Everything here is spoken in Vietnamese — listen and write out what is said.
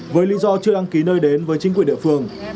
với lý do chưa đăng ký nơi đến với chính quyền địa phương